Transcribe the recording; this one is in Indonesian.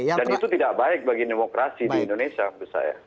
dan itu tidak baik bagi demokrasi di indonesia menurut saya